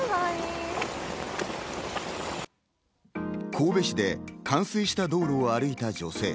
神戸市で冠水した道路を歩いた女性。